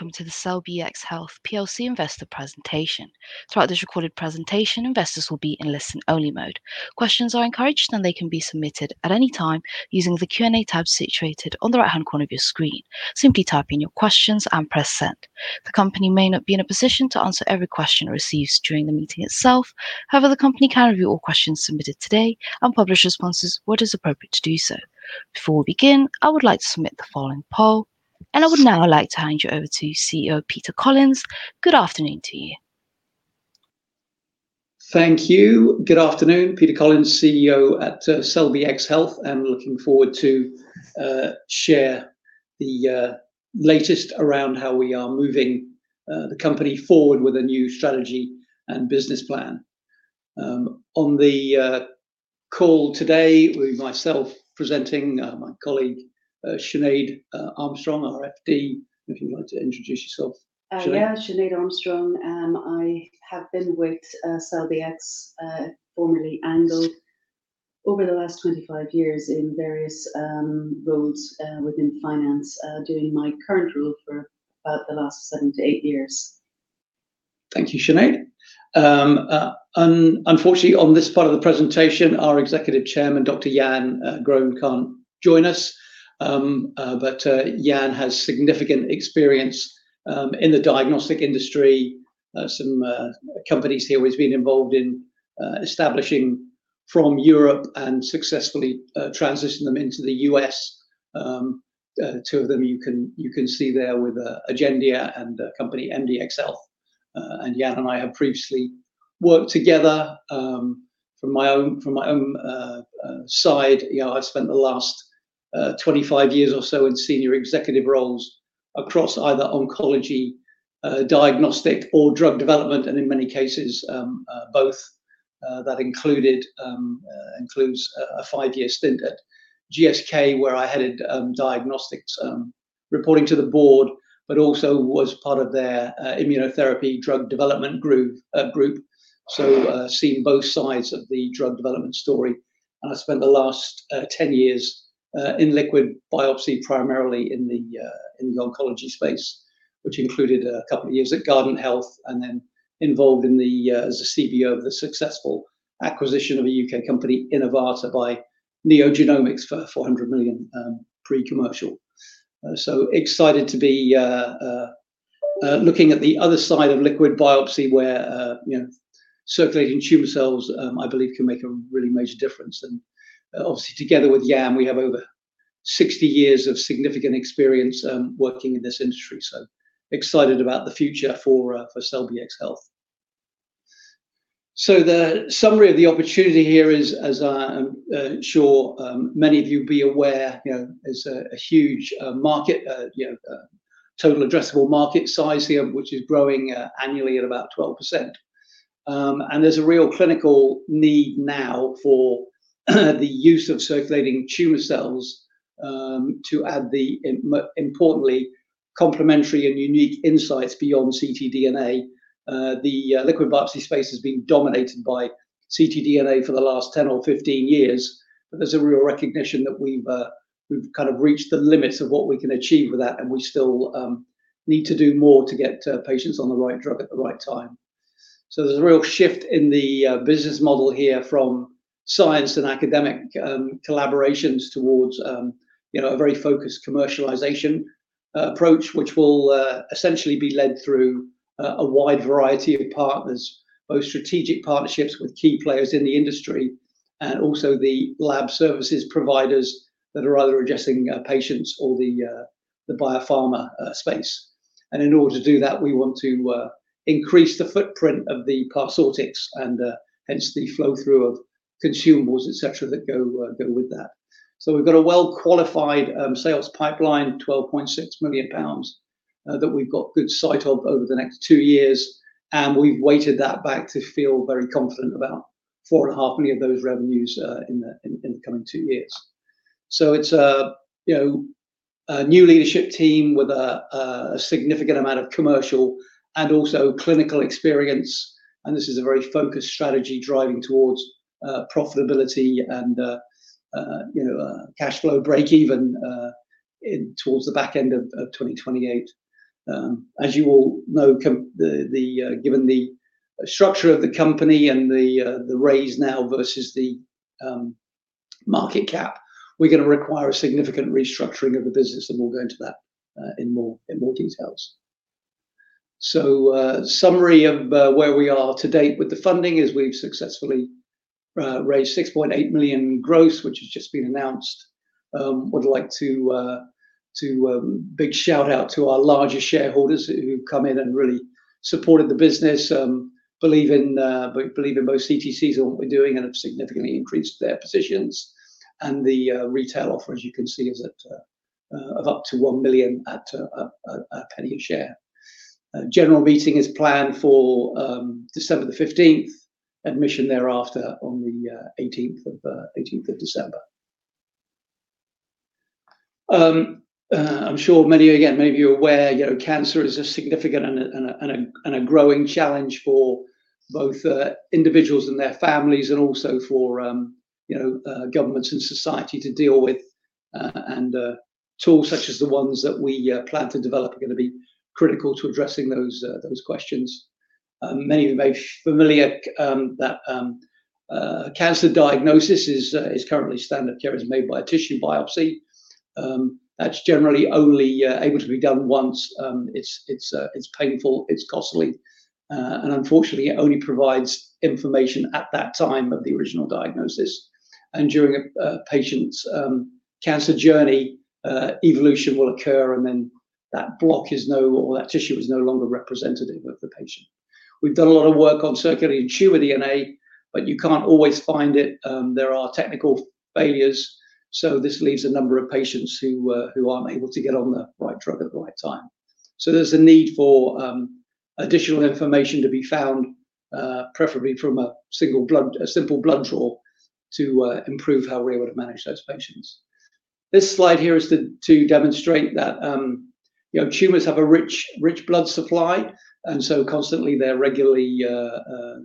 Welcome to the CelLBxHealth investor presentation. Throughout this recorded presentation, investors will be in listen-only mode. Questions are encouraged, and they can be submitted at any time using the Q&A tab situated on the right-hand corner of your screen. Simply type in your questions and press send. The company may not be in a position to answer every question received during the meeting itself. However, the company can review all questions submitted today and publish responses where it is appropriate to do so. Before we begin, I would like to submit the following poll, and I would now like to hand you over to CEO Peter Collins. Good afternoon to you. Thank you. Good afternoon. Peter Collins, CEO at CelLBxHealth. I'm looking forward to share the latest around how we are moving the company forward with a new strategy and business plan. On the call today, with myself presenting, my colleague Sinéad Armstrong, our FD. Would you like to introduce yourself? Yeah, Sinéad Armstrong. I have been with CelLBxHealth, formerly Angle, over the last 25 years in various roles within finance, during my current role for about the last seven to eight years. Thank you, Sinéad. Unfortunately, on this part of the presentation, our Executive Chairman, Dr. Jan Groen, can't join us. But Jan has significant experience in the diagnostic industry. Some companies he has always been involved in establishing from Europe and successfully transitioning them into the U.S. Two of them you can see there with Agendia and company MDxHealth. And Jan and I have previously worked together. From my own side, I've spent the last 25 years or so in senior executive roles across either oncology, diagnostic, or drug development, and in many cases, both. That included a five-year stint at GSK, where I headed diagnostics, reporting to the board, but also was part of their immunotherapy drug development group. I've seen both sides of the drug development story. I spent the last 10 years in liquid biopsy, primarily in the oncology space, which included a couple of years at Guardant Health, and then involved in the CBO of the successful acquisition of a U.K. company Innovata by NeoGenomics for 400 million pre-commercial. I am excited to be looking at the other side of liquid biopsy, where circulating tumor cells, I believe, can make a really major difference. Obviously, together with Yann, we have over 60 years of significant experience working in this industry. I am excited about the future for CelLBxHealth. The summary of the opportunity here is, as I am sure many of you will be aware, it is a huge market, total addressable market size here, which is growing annually at about 12%. There is a real clinical need now for the use of circulating tumor cells to add the, importantly, complementary and unique insights beyond ctDNA. The liquid biopsy space has been dominated by ctDNA for the last 10 or 15 years. There is a real recognition that we've kind of reached the limits of what we can achieve with that, and we still need to do more to get patients on the right drug at the right time. There is a real shift in the business model here from science and academic collaborations towards a very focused commercialization approach, which will essentially be led through a wide variety of partners, both strategic partnerships with key players in the industry, and also the lab services providers that are either addressing patients or the biopharma space. In order to do that, we want to increase the footprint of the Parsortix and hence the flow-through of consumables, et cetera, that go with that. We have a well-qualified sales pipeline, 12.6 million pounds, that we have good sight of over the next two years. We have weighted that back to feel very confident about 4.5 million of those revenues in the coming two years. It is a new leadership team with a significant amount of commercial and also clinical experience. This is a very focused strategy driving towards profitability and cash flow break-even towards the back end of 2028. As you all know, given the structure of the company and the raise now versus the market cap, we are going to require a significant restructuring of the business. We will go into that in more detail. A summary of where we are to date with the funding is we have successfully raised 6.8 million gross, which has just been announced. I'd like to do a big shout-out to our larger shareholders who've come in and really supported the business. Believe in both CTCs and what we're doing, and have significantly increased their positions. The retail offer, as you can see, is of up to 1 million at 1 penny a share. General meeting is planned for December the 15th, admission thereafter on the 18th of December. I'm sure many of you are aware, cancer is a significant and a growing challenge for both individuals and their families, and also for governments and society to deal with. Tools such as the ones that we plan to develop are going to be critical to addressing those questions. Many of you may be familiar that cancer diagnosis is currently standard care is made by a tissue biopsy. That's generally only able to be done once. It's painful. It's costly. It only provides information at that time of the original diagnosis. During a patient's cancer journey, evolution will occur, and then that block or that tissue is no longer representative of the patient. We've done a lot of work on circulating tumor DNA, but you can't always find it. There are technical failures. This leaves a number of patients who aren't able to get on the right drug at the right time. There is a need for additional information to be found, preferably from a simple blood draw, to improve how we're able to manage those patients. This slide here is to demonstrate that tumors have a rich blood supply. Constantly, they're regularly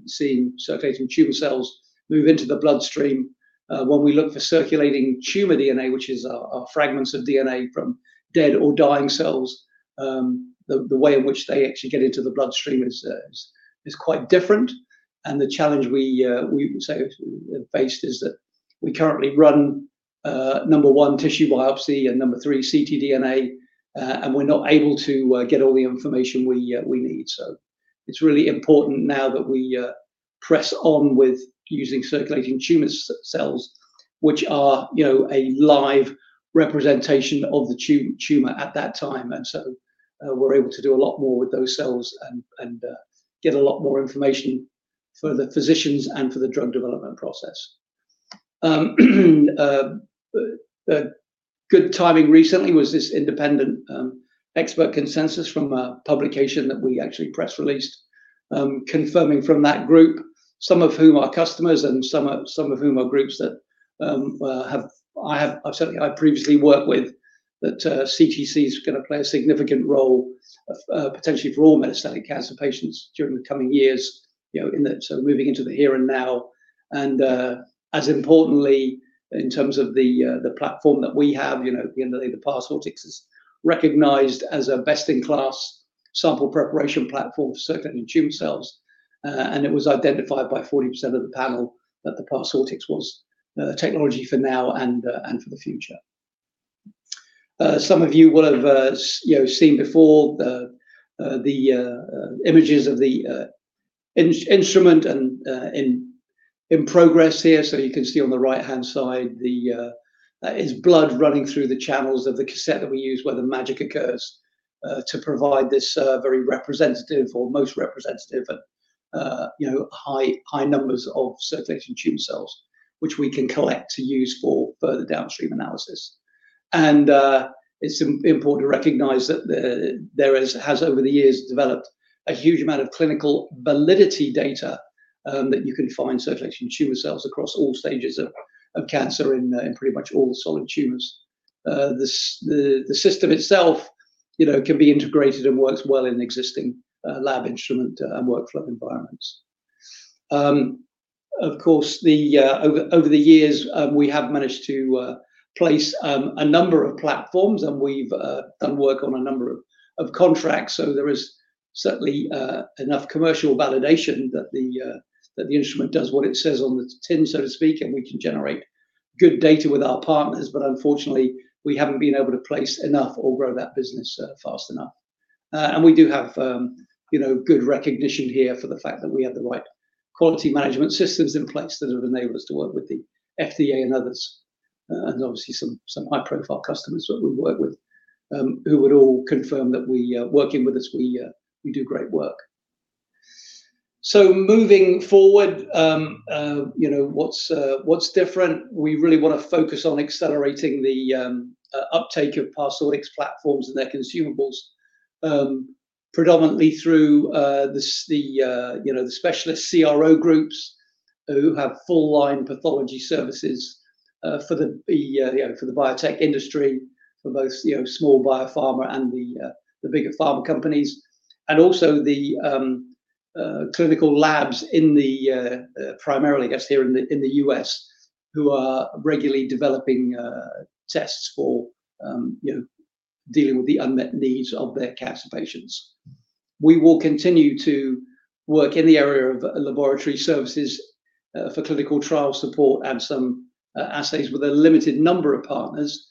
seeing circulating tumor cells move into the bloodstream. When we look for circulating tumor DNA, which is fragments of DNA from dead or dying cells, the way in which they actually get into the bloodstream is quite different. The challenge we face is that we currently run, number one, tissue biopsy, and number three, ctDNA. We are not able to get all the information we need. It is really important now that we press on with using circulating tumor cells, which are a live representation of the tumor at that time. We are able to do a lot more with those cells and get a lot more information for the physicians and for the drug development process. Good timing recently was this independent expert consensus from a publication that we actually press released, confirming from that group, some of whom are customers and some of whom are groups that I previously worked with, that CTC is going to play a significant role, potentially for all metastatic cancer patients during the coming years, moving into the here and now. As importantly, in terms of the platform that we have, the Parsortix is recognized as a best-in-class sample preparation platform for circulating tumor cells. It was identified by 40% of the panel that the Parsortix was the technology for now and for the future. Some of you will have seen before the images of the instrument and in progress here. You can see on the right-hand side, that is blood running through the channels of the cassette that we use where the magic occurs to provide this very representative or most representative and high numbers of circulating tumor cells, which we can collect to use for further downstream analysis. It's important to recognize that there has, over the years, developed a huge amount of clinical validity data that you can find circulating tumor cells across all stages of cancer in pretty much all solid tumors. The system itself can be integrated and works well in existing lab instrument and workflow environments. Of course, over the years, we have managed to place a number of platforms, and we've done work on a number of contracts. There is certainly enough commercial validation that the instrument does what it says on the tin, so to speak, and we can generate good data with our partners. Unfortunately, we haven't been able to place enough or grow that business fast enough. We do have good recognition here for the fact that we have the right quality management systems in place that have enabled us to work with the FDA and others, and obviously some high-profile customers that we work with, who would all confirm that working with us, we do great work. Moving forward, what's different? We really want to focus on accelerating the uptake of Parsortix platforms and their consumables, predominantly through the specialist CRO groups who have full-line pathology services for the biotech industry, for both small biopharma and the bigger pharma companies, and also the clinical labs primarily here in the U.S., who are regularly developing tests for dealing with the unmet needs of their cancer patients. We will continue to work in the area of laboratory services for clinical trial support and some assays with a limited number of partners.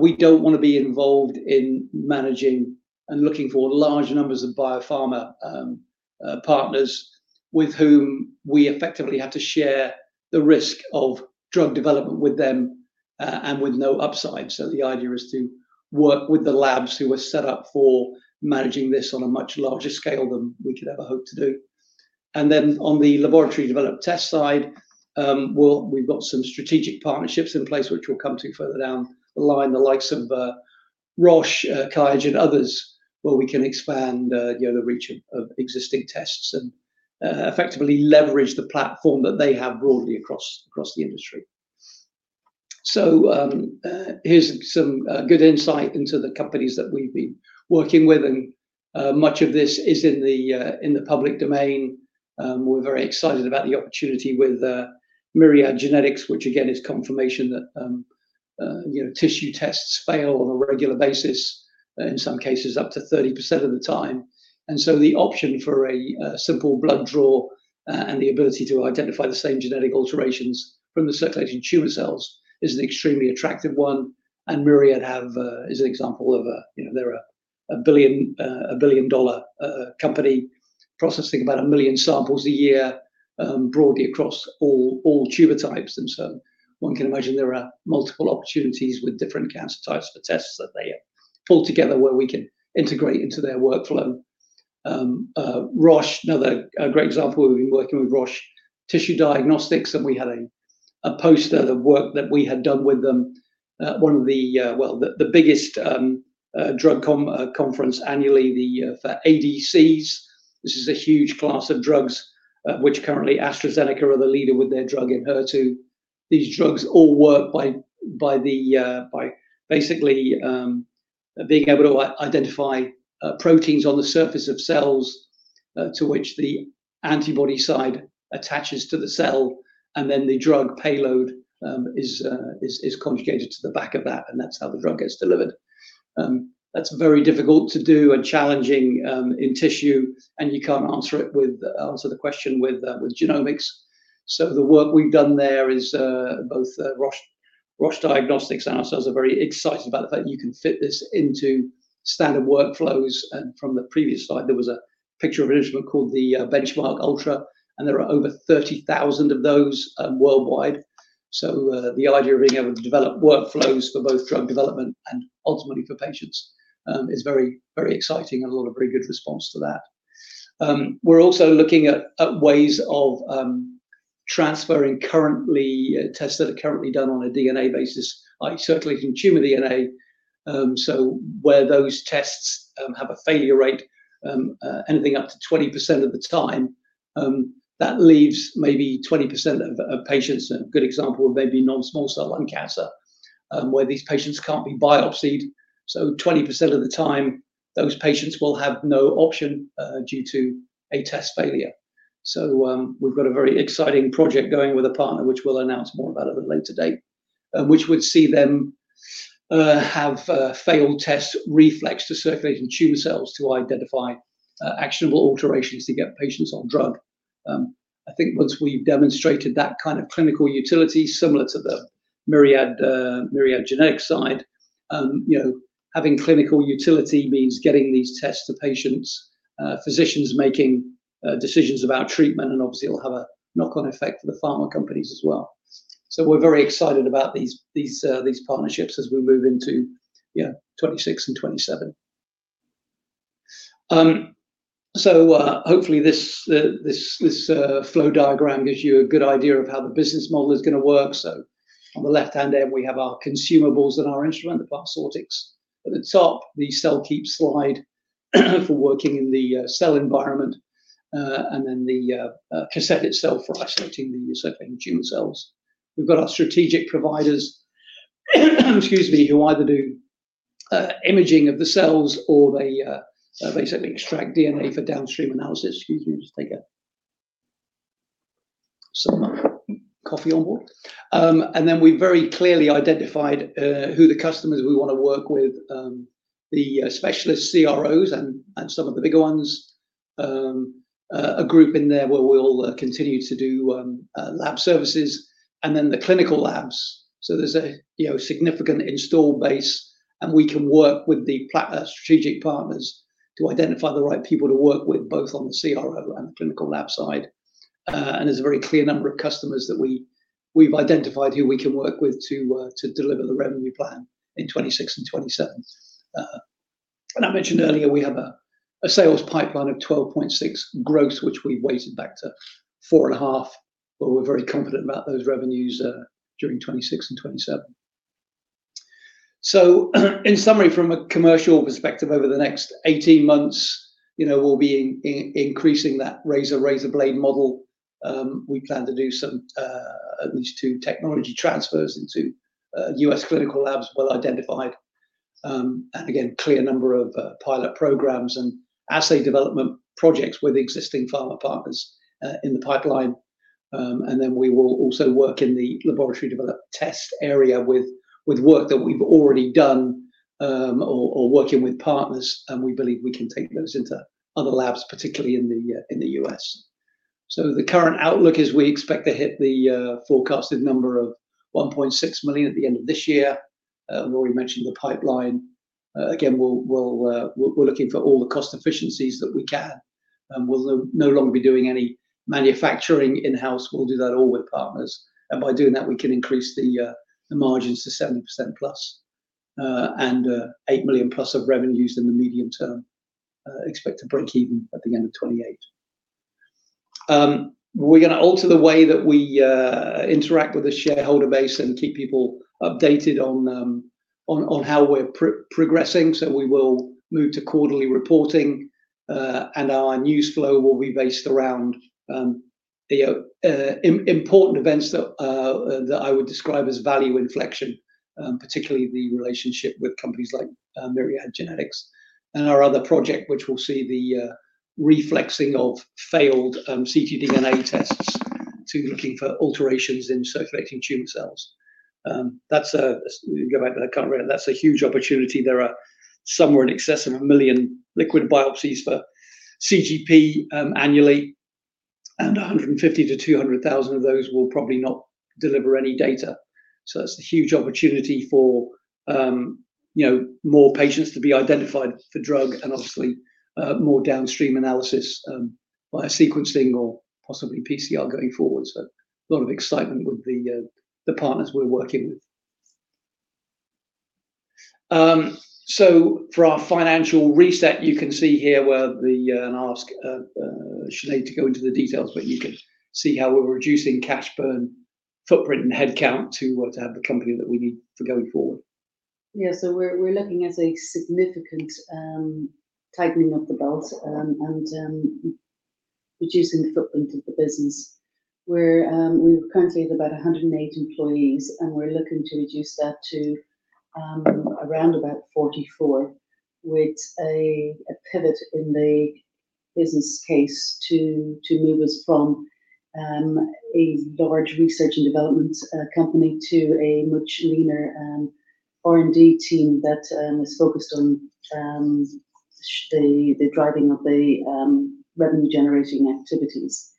We do not want to be involved in managing and looking for large numbers of biopharma partners with whom we effectively have to share the risk of drug development with them and with no upside. The idea is to work with the labs who are set up for managing this on a much larger scale than we could ever hope to do. On the laboratory-developed test side, we've got some strategic partnerships in place, which we'll come to further down the line, the likes of Roche, Kaijin, others, where we can expand the reach of existing tests and effectively leverage the platform that they have broadly across the industry. Here's some good insight into the companies that we've been working with. Much of this is in the public domain. We're very excited about the opportunity with Myriad Genetics, which again is confirmation that tissue tests fail on a regular basis, in some cases up to 30% of the time. The option for a simple blood draw and the ability to identify the same genetic alterations from the circulating tumor cells is an extremely attractive one. Myriad is an example of a billion-dollar company processing about a million samples a year broadly across all tumor types. One can imagine there are multiple opportunities with different cancer types for tests that they pull together where we can integrate into their workflow. Roche, another great example, we've been working with Roche Tissue Diagnostics. We had a poster of work that we had done with them at one of the, well, the biggest drug conference annually, the ADCs. This is a huge class of drugs, which currently AstraZeneca are the leader with their drug in HER2. These drugs all work by basically being able to identify proteins on the surface of cells to which the antibody side attaches to the cell. Then the drug payload is conjugated to the back of that. That is very difficult to do and challenging in tissue. You cannot answer the question with genomics. The work we have done there is both Roche Diagnostics and ourselves are very excited about the fact that you can fit this into standard workflows. From the previous slide, there was a picture of an instrument called the Benchmark Ultra. There are over 30,000 of those worldwide. The idea of being able to develop workflows for both drug development and ultimately for patients is very exciting and a lot of very good response to that. We're also looking at ways of transferring currently tests that are currently done on a DNA basis, like circulating tumor DNA. Where those tests have a failure rate, anything up to 20% of the time, that leaves maybe 20% of patients, a good example of maybe non-small cell lung cancer, where these patients can't be biopsied. 20% of the time, those patients will have no option due to a test failure. We've got a very exciting project going with a partner, which we'll announce more about at a later date, which would see them have failed tests reflex to circulating tumor cells to identify actionable alterations to get patients on drug. I think once we've demonstrated that kind of clinical utility, similar to the Myriad Genetics side, having clinical utility means getting these tests to patients, physicians making decisions about treatment. It will have a knock-on effect for the pharma companies as well. We are very excited about these partnerships as we move into 2026 and 2027. Hopefully, this flow diagram gives you a good idea of how the business model is going to work. On the left-hand end, we have our consumables and our instrument, the Parsortix. At the top, the cell keep slide for working in the cell environment and then the cassette itself for isolating the circulating tumor cells. We have our strategic providers, excuse me, who either do imaging of the cells or they basically extract DNA for downstream analysis. Excuse me, just take a coffee onboard. We have very clearly identified who the customers we want to work with, the specialist CROs and some of the bigger ones, a group in there where we'll continue to do lab services, and then the clinical labs. There is a significant install base. We can work with the strategic partners to identify the right people to work with, both on the CRO and the clinical lab side. There is a very clear number of customers that we have identified who we can work with to deliver the revenue plan in 2026 and 2027. I mentioned earlier, we have a sales pipeline of $12.6 million gross, which we have weighted back to $4.5 million, but we are very confident about those revenues during 2026 and 2027. In summary, from a commercial perspective, over the next 18 months, we will be increasing that razor-blade model. We plan to do at least two technology transfers into U.S. clinical labs, well identified. Again, clear number of pilot programs and assay development projects with existing pharma partners in the pipeline. We will also work in the laboratory-developed test area with work that we've already done or working with partners. We believe we can take those into other labs, particularly in the U.S. The current outlook is we expect to hit the forecasted number of $1.6 million at the end of this year. We already mentioned the pipeline. Again, we're looking for all the cost efficiencies that we can. We'll no longer be doing any manufacturing in-house. We'll do that all with partners. By doing that, we can increase the margins to 70% plus and $8 million plus of revenues in the medium term. Expect to break even at the end of 2028. We're going to alter the way that we interact with the shareholder base and keep people updated on how we're progressing. We will move to quarterly reporting. Our news flow will be based around important events that I would describe as value inflection, particularly the relationship with companies like Myriad Genetics and our other project, which will see the reflexing of failed ctDNA tests to looking for alterations in circulating tumor cells. I can't remember. That's a huge opportunity. There are somewhere in excess of 1 million liquid biopsies for CGP annually. 150,000-200,000 of those will probably not deliver any data. That's a huge opportunity for more patients to be identified for drug and obviously more downstream analysis via sequencing or possibly PCR going forward. A lot of excitement with the partners we're working with. For our financial reset, you can see here where the and ask Sinéad to go into the details, but you can see how we're reducing cash burn footprint and headcount to work to have the company that we need for going forward. Yeah. We're looking at a significant tightening of the belt and reducing the footprint of the business. We're currently at about 108 employees, and we're looking to reduce that to around about 44, with a pivot in the business case to move us from a large research and development company to a much leaner R&D team that is focused on the driving of the revenue-generating activities.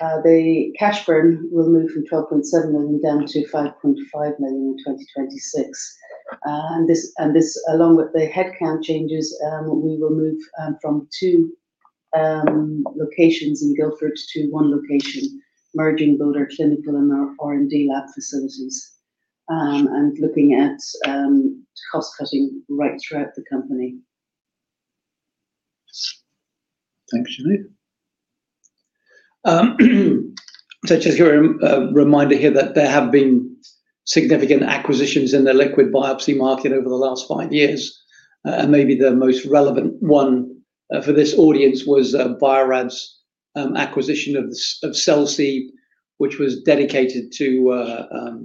The cash burn will move from 12.7 million down to 5.5 million in 2026. This, along with the headcount changes, we will move from two locations in Guildford to one location, merging both our clinical and our R&D lab facilities and looking at cost-cutting right throughout the company. Thanks, Sinéad. Just a reminder here that there have been significant acquisitions in the liquid biopsy market over the last five years. Maybe the most relevant one for this audience was BioRad's acquisition of CellSeed, which was dedicated to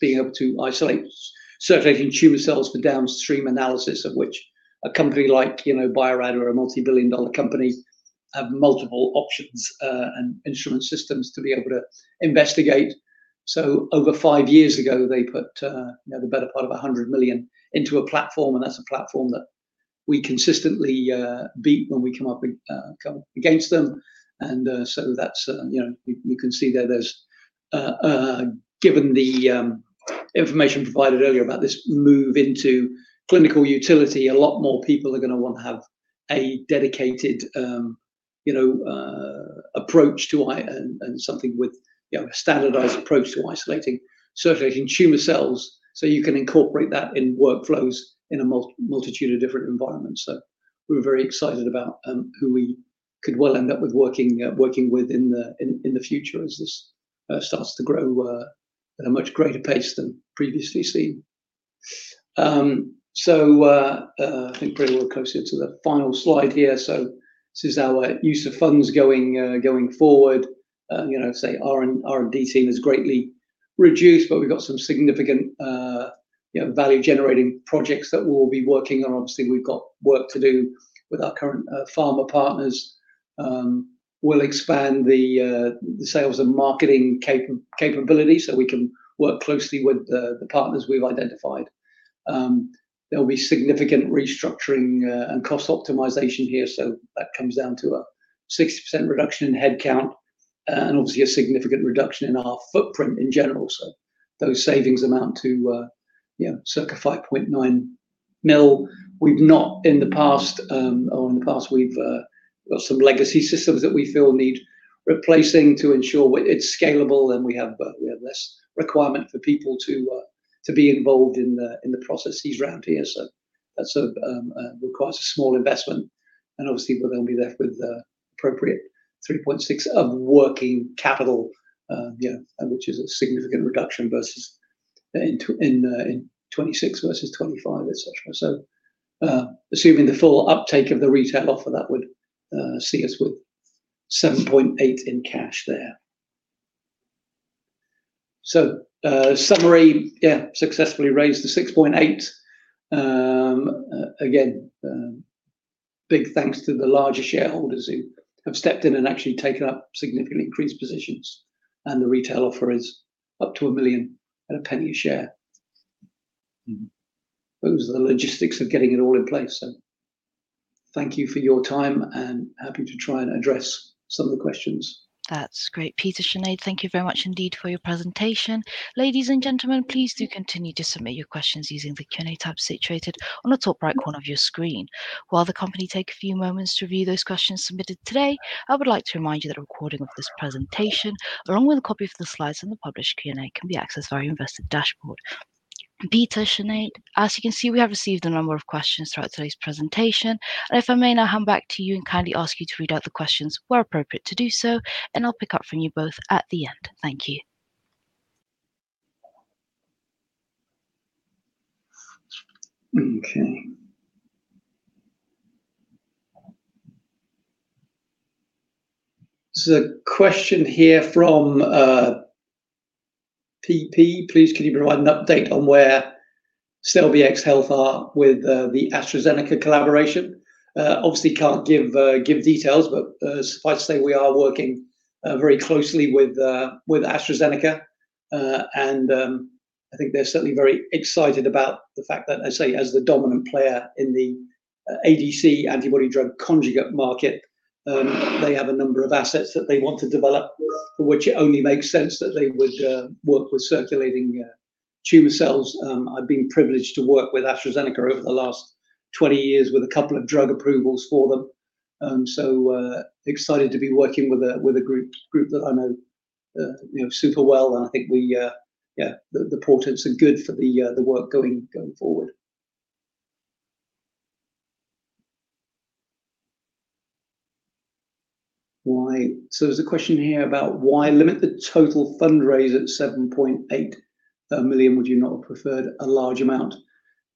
being able to isolate circulating tumor cells for downstream analysis, of which a company like BioRad or a multi-billion-dollar company have multiple options and instrument systems to be able to investigate. Over five years ago, they put the better part of 100 million into a platform. That is a platform that we consistently beat when we come up against them. You can see there, given the information provided earlier about this move into clinical utility, a lot more people are going to want to have a dedicated approach to and something with a standardized approach to isolating circulating tumor cells so you can incorporate that in workflows in a multitude of different environments. We are very excited about who we could well end up with working with in the future as this starts to grow at a much greater pace than previously seen. I think we are closer to the final slide here. This is our use of funds going forward. The R&D team has greatly reduced, but we have some significant value-generating projects that we will be working on. Obviously, we have work to do with our current pharma partners. We'll expand the sales and marketing capability so we can work closely with the partners we've identified. There'll be significant restructuring and cost optimization here. That comes down to a 60% reduction in headcount and obviously a significant reduction in our footprint in general. Those savings amount to circa 5.9 million. In the past, we've got some legacy systems that we feel need replacing to ensure it's scalable and we have less requirement for people to be involved in the processes around here. That requires a small investment. Obviously, they'll be left with approximately 3.6 million of working capital, which is a significant reduction in 2026 versus 2025, etc. Assuming the full uptake of the retail offer, that would see us with 7.8 million in cash there. Summary, yeah, successfully raised to 6.8 million. Again, big thanks to the larger shareholders who have stepped in and actually taken up significantly increased positions. The retail offer is up to 1 million and one penny a share. Those are the logistics of getting it all in place. Thank you for your time and happy to try and address some of the questions. That's great. Peter, Sinéad, thank you very much indeed for your presentation. Ladies and gentlemen, please do continue to submit your questions using the Q&A tab situated on the top right corner of your screen. While the company takes a few moments to review those questions submitted today, I would like to remind you that a recording of this presentation, along with a copy of the slides and the published Q&A, can be accessed via Investor Dashboard. Peter, Sinéad, as you can see, we have received a number of questions throughout today's presentation. If I may now hand back to you and kindly ask you to read out the questions where appropriate to do so, and I'll pick up from you both at the end. Thank you. Okay. Question here from uh PP. Please can you provide an update on where CelLBxHealth are with the AstraZeneca collaboration? Obviously, can't give details, but suffice to say we are working very closely with AstraZeneca. I think they're certainly very excited about the fact that, as I say, as the dominant player in the ADC Antibody-Drug Conjugate market, they have a number of assets that they want to develop, for which it only makes sense that they would work with circulating tumor cells. I've been privileged to work with AstraZeneca over the last 20 years with a couple of drug approvals for them. I am excited to be working with a group that I know super well. I think the portents are good for the work going forward. There is a question here about why limit the total fundraiser at 7.8 million. Would you not have preferred a larger amount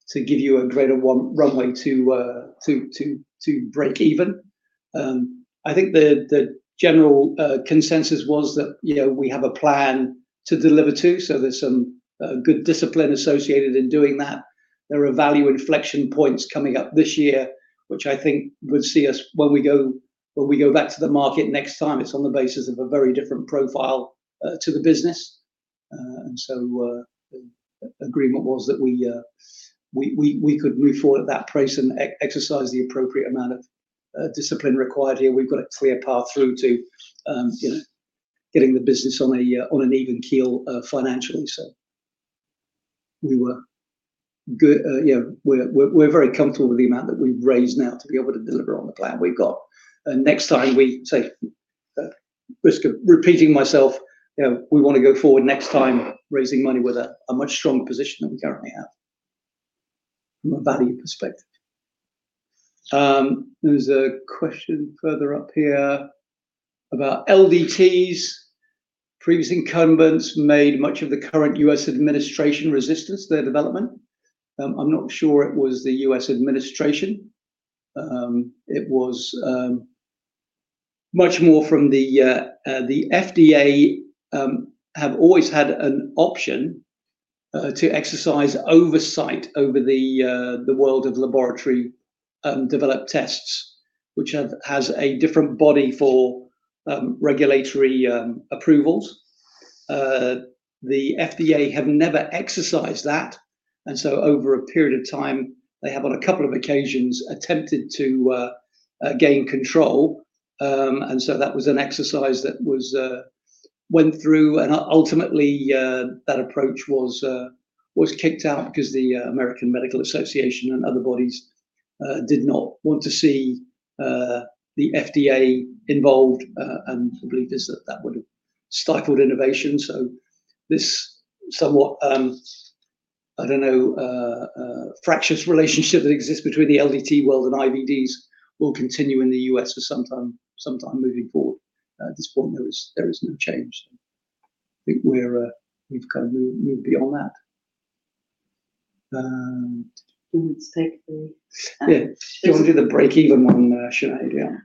to give you a greater runway to break even? I think the general consensus was that we have a plan to deliver to. There is some good discipline associated in doing that. There are value inflection points coming up this year, which I think would see us when we go back to the market next time, it is on the basis of a very different profile to the business. The agreement was that we could move forward at that price and exercise the appropriate amount of discipline required here. We have got a clear path through to getting the business on an even keel financially. We are very comfortable with the amount that we have raised now to be able to deliver on the plan we have got. Next time, risk of repeating myself, we want to go forward next time raising money with a much stronger position than we currently have from a value perspective. There is a question further up here about LDTs. Previous incumbents made much of the current U.S. administration resistance to their development. I am not sure it was the U.S. administration. It was much more from the FDA have always had an option to exercise oversight over the world of laboratory-developed tests, which has a different body for regulatory approvals. The FDA have never exercised that. Over a period of time, they have on a couple of occasions attempted to gain control. That was an exercise that went through. Ultimately, that approach was kicked out because the American Medical Association and other bodies did not want to see the FDA involved. The belief is that that would have stifled innovation. This somewhat, I don't know, fractious relationship that exists between the LDT world and IVDs will continue in the U.S. for some time moving forward. At this point, there is no change. I think we've kind of moved beyond that. Yeah. Do you want to do the break-even one, Sinéad? Yeah.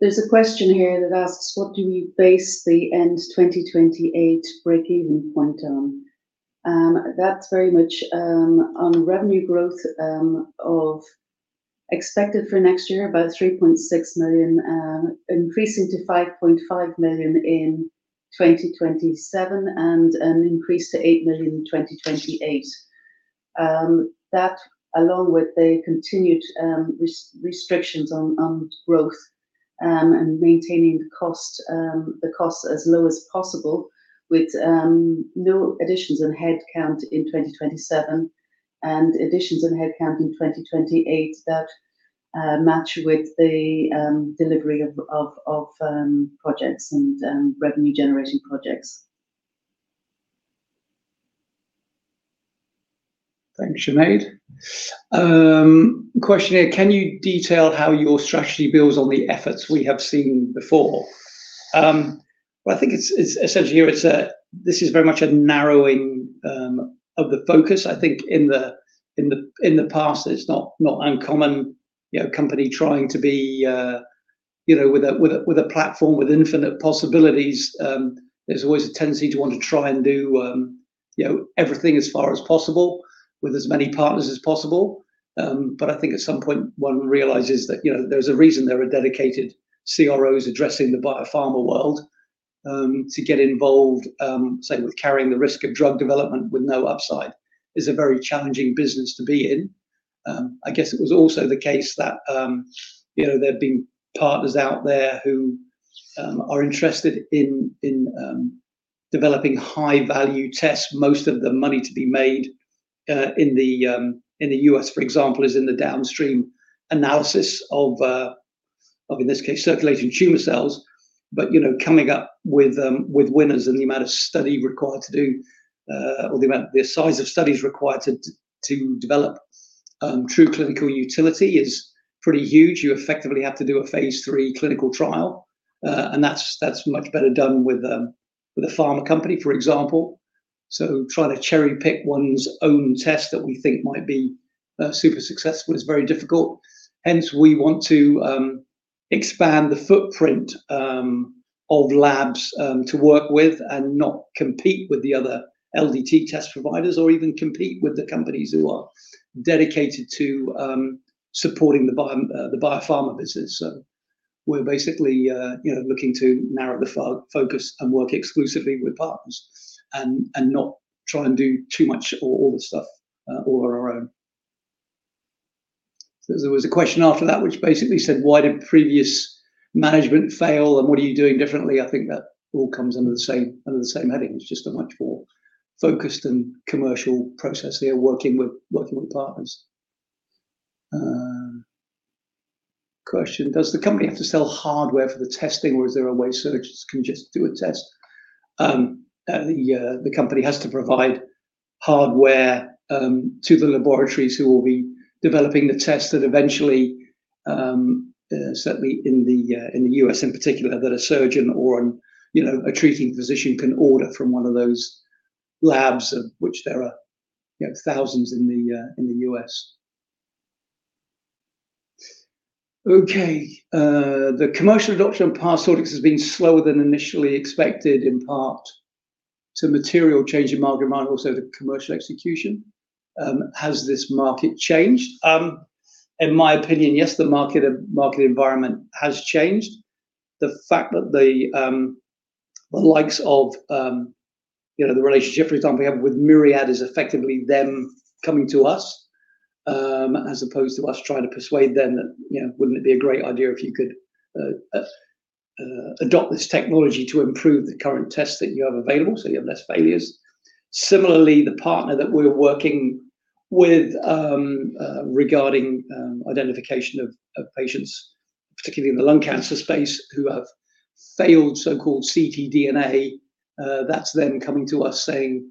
There's a question here that asks, what do we base the end 2028 break-even point on? That's very much on revenue growth of expected for next year, about $3.6 million, increasing to $5.5 million in 2027 and an increase to $8 million in 2028. That, along with the continued restrictions on growth and maintaining the costs as low as possible with no additions in headcount in 2027 and additions in headcount in 2028 that match with the delivery of projects and revenue-generating projects. Thanks, Sinéad. Question here. Can you detail how your strategy builds on the efforts we have seen before? I think essentially here, this is very much a narrowing of the focus. I think in the past, it's not uncommon a company trying to be with a platform with infinite possibilities. There's always a tendency to want to try and do everything as far as possible with as many partners as possible. I think at some point, one realizes that there's a reason there are dedicated CROs addressing the biopharma world to get involved, say, with carrying the risk of drug development with no upside. It's a very challenging business to be in. I guess it was also the case that there have been partners out there who are interested in developing high-value tests. Most of the money to be made in the U.S., for example, is in the downstream analysis of, in this case, circulating tumor cells. Coming up with winners and the amount of study required to do or the size of studies required to develop true clinical utility is pretty huge. You effectively have to do a phase three clinical trial. That's much better done with a pharma company, for example. Trying to cherry-pick one's own test that we think might be super successful is very difficult. Hence, we want to expand the footprint of labs to work with and not compete with the other LDT test providers or even compete with the companies who are dedicated to supporting the biopharma business. We are basically looking to narrow the focus and work exclusively with partners and not try and do too much or all the stuff all on our own. There was a question after that, which basically said, why did previous management fail? And what are you doing differently? I think that all comes under the same heading. It is just a much more focused and commercial process here, working with partners. Question. Does the company have to sell hardware for the testing, or is there a way searchers can just do a test? The company has to provide hardware to the laboratories who will be developing the test that eventually, certainly in the U.S. in particular, that a surgeon or a treating physician can order from one of those labs, of which there are thousands in the U.S. Okay. The commercial adoption of Parsortix has been slower than initially expected, in part to material change in market demand, also to commercial execution. Has this market changed? In my opinion, yes, the market environment has changed. The fact that the likes of the relationship, for example, we have with Myriad is effectively them coming to us as opposed to us trying to persuade them that, would not it be a great idea if you could adopt this technology to improve the current tests that you have available so you have less failures? Similarly, the partner that we're working with regarding identification of patients, particularly in the lung cancer space, who have failed so-called ctDNA, that's then coming to us saying,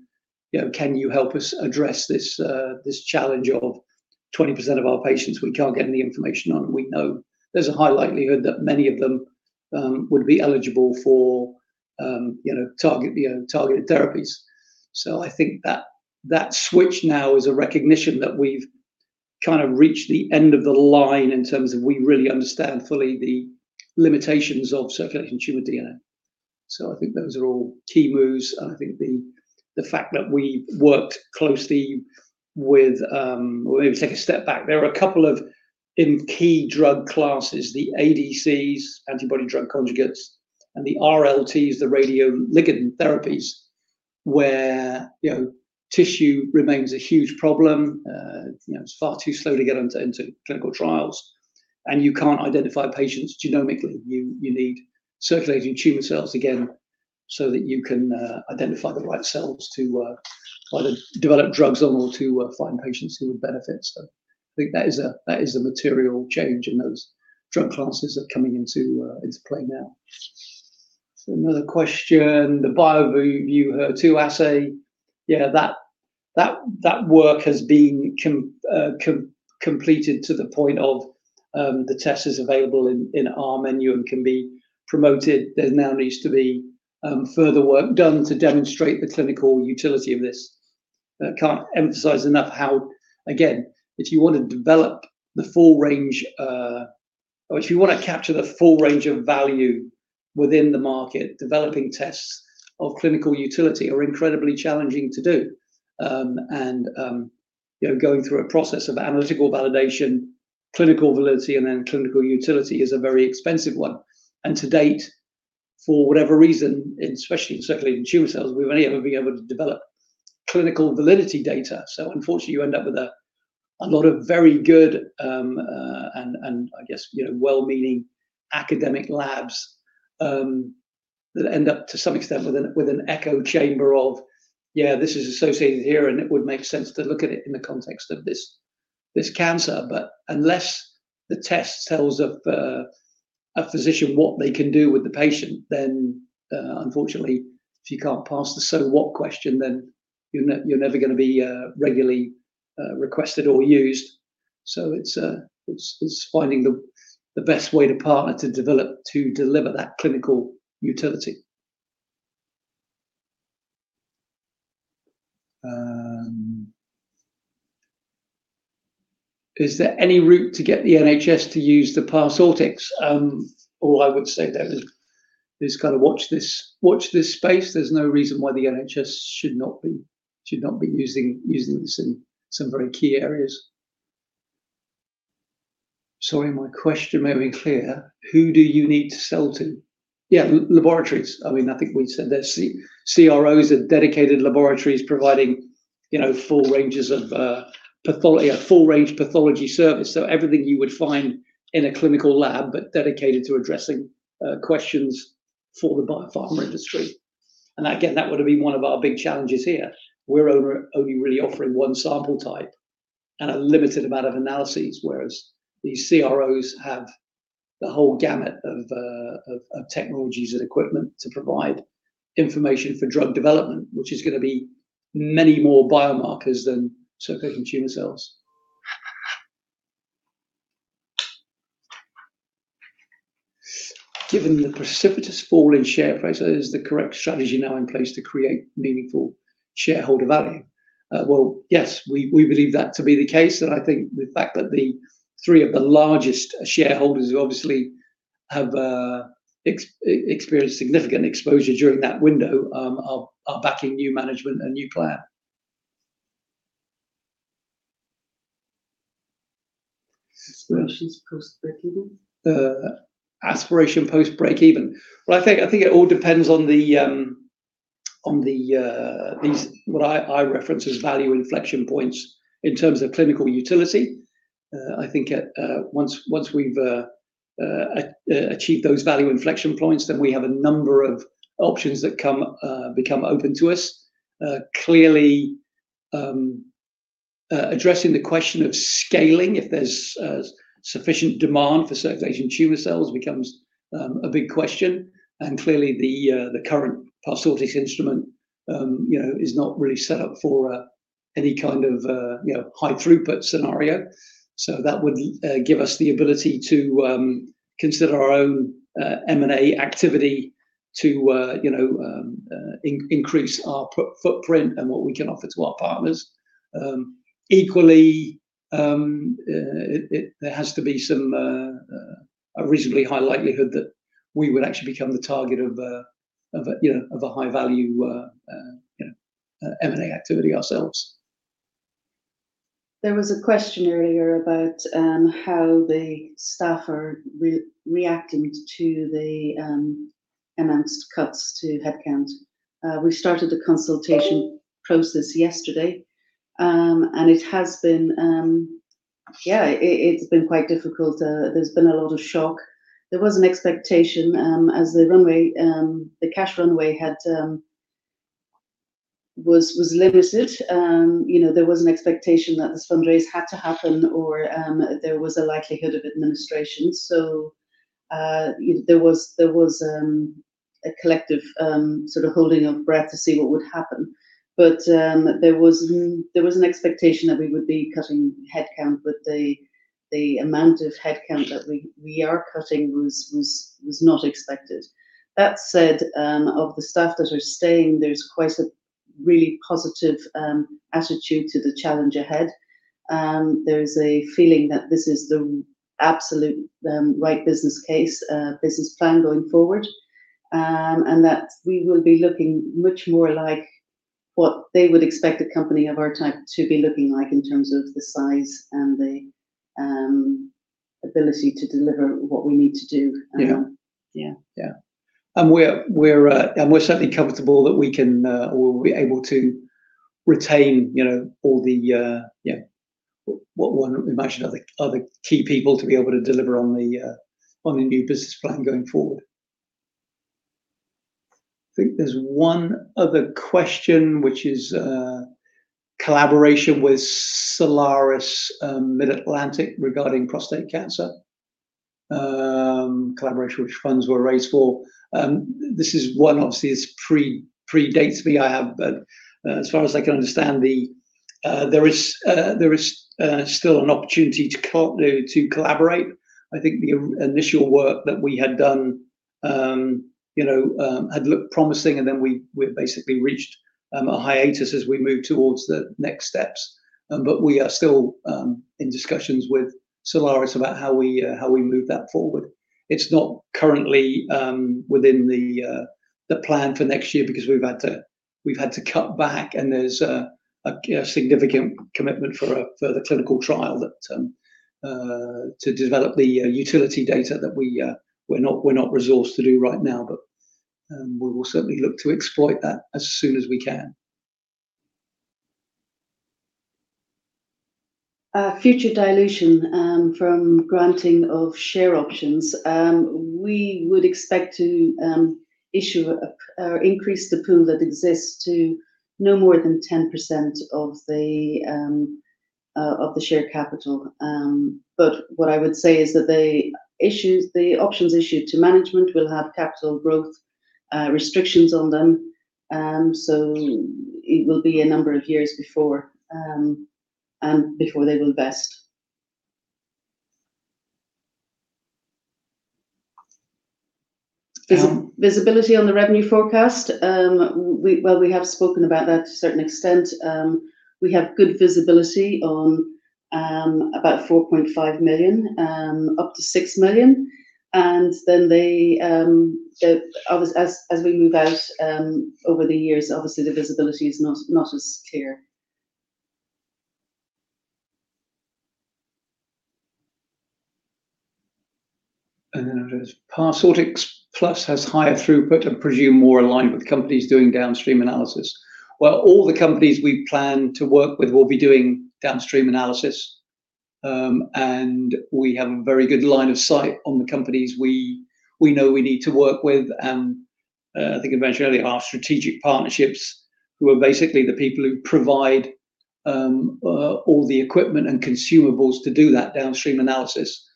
can you help us address this challenge of 20% of our patients? We can't get any information on. We know there's a high likelihood that many of them would be eligible for targeted therapies. I think that switch now is a recognition that we've kind of reached the end of the line in terms of we really understand fully the limitations of circulating tumor DNA. I think those are all key moves. I think the fact that we've worked closely with, or maybe take a step back. There are a couple of key drug classes, the ADCs, Antibody-Drug Conjugates, and the RLTs, the radio-ligand therapies, where tissue remains a huge problem. It's far too slow to get into clinical trials. You can't identify patients genomically. You need circulating tumor cells again so that you can identify the right cells to either develop drugs on or to find patients who would benefit. I think that is a material change in those drug classes that are coming into play now. Another question. The BioView HER2 assay, yeah, that work has been completed to the point of the test is available in our menu and can be promoted. There now needs to be further work done to demonstrate the clinical utility of this. Can't emphasize enough how, again, if you want to develop the full range or if you want to capture the full range of value within the market, developing tests of clinical utility are incredibly challenging to do. Going through a process of analytical validation, clinical validity, and then clinical utility is a very expensive one. To date, for whatever reason, especially in circulating tumor cells, we've only ever been able to develop clinical validity data. Unfortunately, you end up with a lot of very good and, I guess, well-meaning academic labs that end up, to some extent, with an echo chamber of, yeah, this is associated here, and it would make sense to look at it in the context of this cancer. Unless the test tells a physician what they can do with the patient, then unfortunately, if you can't pass the so what question, you're never going to be regularly requested or used. It's finding the best way to partner to deliver that clinical utility. Is there any route to get the NHS to use the past audits? All I would say there is kind of watch this space. There's no reason why the NHS should not be using this in some very key areas. Sorry, my question may be unclear. Who do you need to sell to? Yeah, laboratories. I mean, I think we said there's CROs, dedicated laboratories providing full ranges of full-range pathology service. Everything you would find in a clinical lab but dedicated to addressing questions for the biopharma industry. That would have been one of our big challenges here. We're only really offering one sample type and a limited amount of analyses, whereas these CROs have the whole gamut of technologies and equipment to provide information for drug development, which is going to be many more biomarkers than circulating tumor cells. Given the precipitous fall in share price, is the correct strategy now in place to create meaningful shareholder value? Yes, we believe that to be the case. I think the fact that three of the largest shareholders who obviously have experienced significant exposure during that window are backing new management and new plan. Aspiration post-break-even? Aspiration post-break-even. I think it all depends on what I reference as value inflection points in terms of clinical utility. I think once we've achieved those value inflection points, then we have a number of options that become open to us. Clearly, addressing the question of scaling, if there's sufficient demand for circulating tumor cells, becomes a big question. Clearly, the current Parsortix instrument is not really set up for any kind of high-throughput scenario. That would give us the ability to consider our own M&A activity to increase our footprint and what we can offer to our partners. Equally, there has to be a reasonably high likelihood that we would actually become the target of a high-value M&A activity ourselves. There was a question earlier about how the staff are reacting to the announced cuts to headcount. We started the consultation process yesterday, and it has been, yeah, it's been quite difficult. There's been a lot of shock. There was an expectation as the cash runway was limited. There was an expectation that this fundraise had to happen or there was a likelihood of administration. There was a collective sort of holding of breath to see what would happen. There was an expectation that we would be cutting headcount, but the amount of headcount that we are cutting was not expected. That said, of the staff that are staying, there's quite a really positive attitude to the challenge ahead. There is a feeling that this is the absolute right business case, business plan going forward, and that we will be looking much more like what they would expect a company of our type to be looking like in terms of the size and the ability to deliver what we need to do. Yeah. Yeah. Yeah. We are certainly comfortable that we can or will be able to retain all the what we mentioned of the key people to be able to deliver on the new business plan going forward. I think there's one other question, which is collaboration with Solaris MidLantic regarding prostate cancer, collaboration which funds were raised for. This is one of the predates me I have, but as far as I can understand, there is still an opportunity to collaborate. I think the initial work that we had done had looked promising, and then we basically reached a hiatus as we moved towards the next steps. We are still in discussions with Solaris about how we move that forward. It is not currently within the plan for next year because we have had to cut back, and there is a significant commitment for the clinical trial to develop the utility data that we are not resourced to do right now, but we will certainly look to exploit that as soon as we can. Future dilution from granting of share options. We would expect to increase the pool that exists to no more than 10% of the share capital. What I would say is that the options issued to management will have capital growth restrictions on them. It will be a number of years before they will vest. Visibility on the revenue forecast? We have spoken about that to a certain extent. We have good visibility on about 4.5 million-6 million. As we move out over the years, obviously, the visibility is not as clear. It says, "Parsortix plus has higher throughput and presume more aligned with companies doing downstream analysis." All the companies we plan to work with will be doing downstream analysis, and we have a very good line of sight on the companies we know we need to work with. I think eventually, our strategic partnerships, who are basically the people who provide all the equipment and consumables to do that downstream analysis,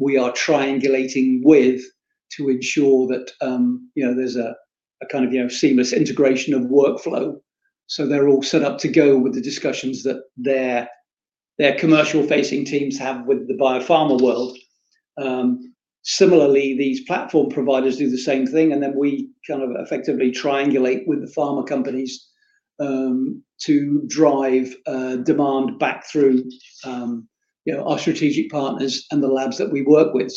we are triangulating with to ensure that there is a kind of seamless integration of workflow. They are all set up to go with the discussions that their commercial-facing teams have with the biopharma world. Similarly, these platform providers do the same thing, and then we kind of effectively triangulate with the pharma companies to drive demand back through our strategic partners and the labs that we work with.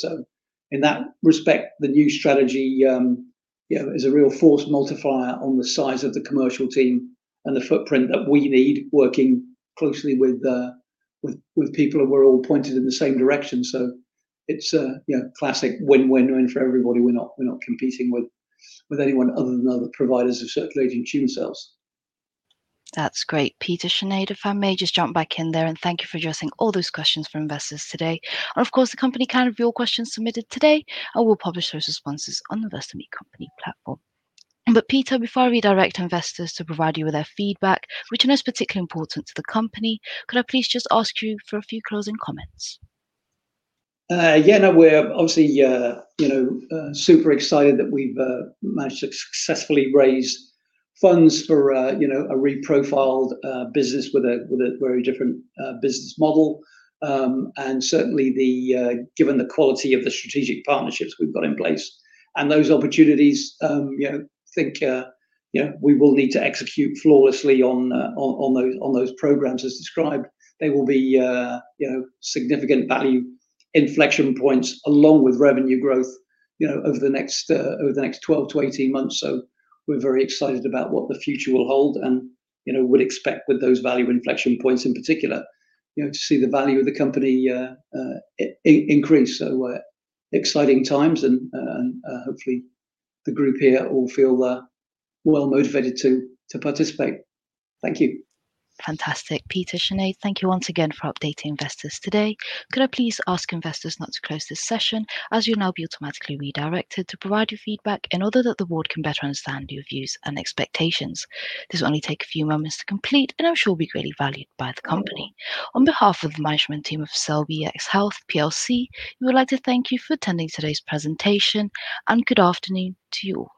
In that respect, the new strategy is a real force multiplier on the size of the commercial team and the footprint that we need, working closely with people who are all pointed in the same direction. It is a classic win-win-win for everybody. We are not competing with anyone other than other providers of circulating tumor cells. That is great. Peter, Sinéad, if I may just jump back in there and thank you for addressing all those questions for investors today. Of course, the company can review your questions submitted today, and we will publish those responses on the Vestermeer Company platform. Peter, before I redirect investors to provide you with their feedback, which I know is particularly important to the company, could I please just ask you for a few closing comments? Yeah, no, we are obviously super excited that we have managed to successfully raise funds for a reprofiled business with a very different business model. Certainly, given the quality of the strategic partnerships we have got in place and those opportunities, I think we will need to execute flawlessly on those programs as described. There will be significant value inflection points along with revenue growth over the next 12-18 months. We are very excited about what the future will hold and would expect with those value inflection points in particular to see the value of the company increase. Exciting times, and hopefully, the group here will feel well motivated to participate. Thank you. Fantastic. Peter, Sinéad, thank you once again for updating investors today. Could I please ask investors not to close this session as you will now be automatically redirected to provide your feedback in order that the board can better understand your views and expectations? This will only take a few moments to complete, and I am sure it will be greatly valued by the company. On behalf of the management team of CelLBxHealth, we would like to thank you for attending today's presentation, and good afternoon to you all.